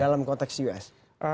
dalam konteks di us